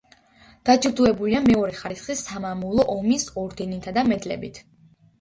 დაჯილდოებულია მეორე ხარისხის სამამულო ომის ორდენითა და მედლებით.